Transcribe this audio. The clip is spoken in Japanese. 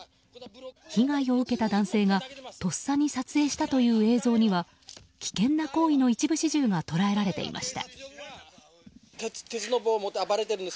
被害を受けた男性がとっさに撮影したという映像には危険な行為の一部始終が捉えられていました。